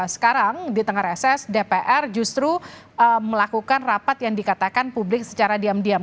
sekarang di tengah reses dpr justru melakukan rapat yang dikatakan publik secara diam diam